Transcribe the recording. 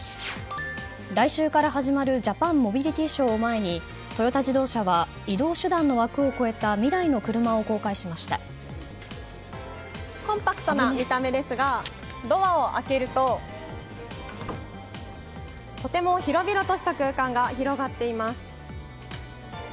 来週から始まるジャパンモビリティショーを前にトヨタ自動車は移動手段の枠を超えた未来の車をコンパクトな見た目ですがドアを開けるととても広々とした空間が広がっています。